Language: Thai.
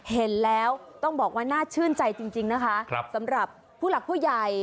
เห็นแล้วต้องบอกว่าน่าชื่นใจจริงนะคะสำหรับผู้หลักผู้ใหญ่